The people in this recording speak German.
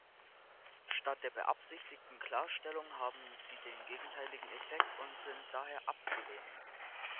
Statt der beabsichtigten Klarstellung haben sie den gegenteiligen Effekt und sind daher abzulehnen.